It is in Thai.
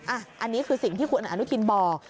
อันนี้คือสิ่งที่คุณอนุทินบอก